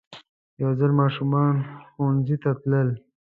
یو ځای ماشومان ښوونځی ته تلل.